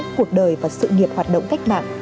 cuộc đời và sự nghiệp hoạt động cách mạng